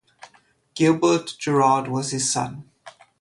Gilbert Gerard was his son.